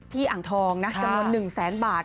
อ่างทองนะจำนวน๑แสนบาท